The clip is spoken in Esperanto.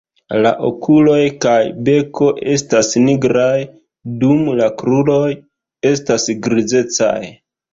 La okuloj kaj beko estas nigraj, dum la kruroj estas grizecaj.